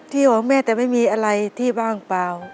ของแม่แต่ไม่มีอะไรที่ว่างเปล่า